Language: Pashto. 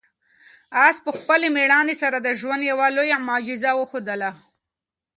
آس په خپلې مېړانې سره د ژوند یوه لویه معجزه وښودله.